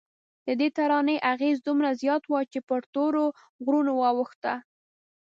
ددې ترانې اغېز دومره زیات و چې پر تورو غرونو واوښته.